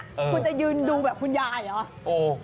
คุณจะยืนดูแบบคุณยายอ่ะโอ้ว